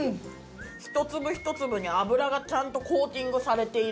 １粒１粒に油がちゃんとコーティングされている。